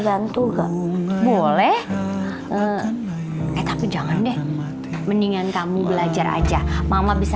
nantuga boleh eh tapi jangan deh mendingan kamu belajar aja mama bisa